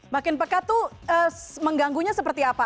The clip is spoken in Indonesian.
makin pekat tuh mengganggunya seperti apa